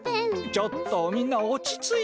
ちょっとみんな落ち着いて。